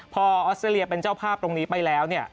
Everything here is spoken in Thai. พอออสเตรเลียเป็นเจ้าภาพตรงนี้ไปแล้วเนี่ย